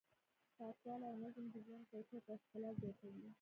پاکوالی او نظم د ژوند کیفیت او ښکلا زیاتوي.